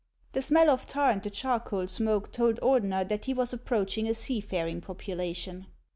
The smell of tar and the charcoal smoke told Ordener that he was approaching a seafaring population.